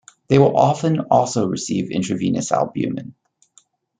They will often also receive intravenous albumin.